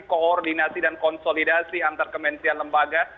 koordinasi dan konsolidasi antar kementerian lembaga